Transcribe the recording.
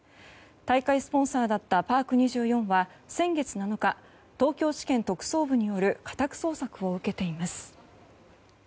大会スポンサーだったパーク２４は先月７日、東京地検特捜部による家宅捜索を受けています。